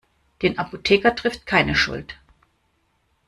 Den Apotheker trifft keine Schuld.